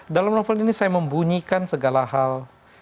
dalam novel ini saya membunyikan segala hal